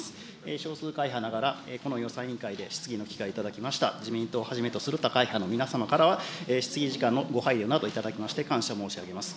少数会派ながらこの予算委員会で質疑の機会頂きました、自民党はじめとする他会派の皆様からは質疑時間のご配慮など頂きまして感謝申し上げます。